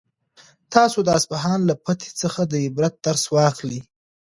تاسو د اصفهان له فتحې څخه د عبرت درس واخلئ.